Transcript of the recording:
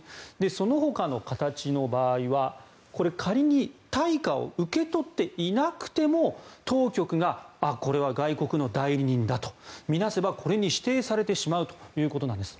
そのほかの形の場合は仮に対価を受け取っていなくても当局がこれは外国の代理人だと見なせばこれに指定されてしまうということなんです。